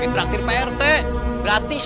di traktir prt gratis